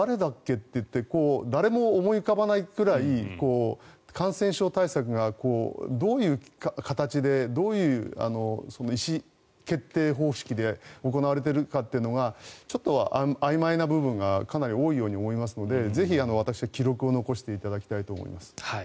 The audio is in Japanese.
っていって誰も思い浮かばないくらい感染症対策がどういう形でどういう意思決定方式で行われているかというのがちょっとあいまいな部分がかなり多いように思いますのでぜひ、私は記録を残していただきたいと思います。